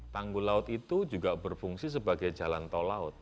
tanggul laut itu juga berfungsi sebagai jalan tol laut